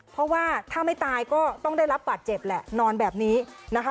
เพราะว่าถ้าไม่ตายก็ต้องได้รับบาดเจ็บแหละนอนแบบนี้นะคะ